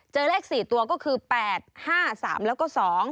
เลข๔ตัวก็คือ๘๕๓แล้วก็๒